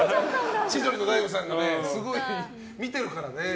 千鳥の大悟さんがすごい見てるからね。